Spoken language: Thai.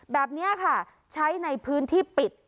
แบบนี้ค่ะใช้ในพื้นที่ปิด